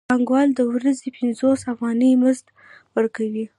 پانګوال د ورځې پنځوس افغانۍ مزد ورکوي